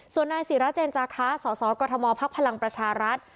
ส่วนนายศิราเจนจาคะสสกมพักพลังประชารัฐ